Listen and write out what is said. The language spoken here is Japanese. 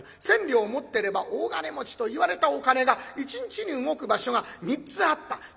千両持ってれば大金持ちといわれたお金が一日に動く場所が３つあった。